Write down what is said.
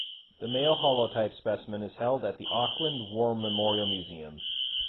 The male holotype specimen is held at the Auckland War Memorial Museum.